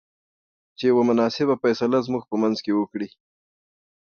چې يوه مناسبه فيصله زموږ په منځ کې وکړۍ.